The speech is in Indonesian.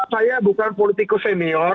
saya bukan politiko senior